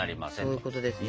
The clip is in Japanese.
そういうことですね。